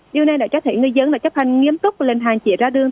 điều này đã cho thấy người dân đã chấp hành nghiêm túc lên hàng chỉ ra đường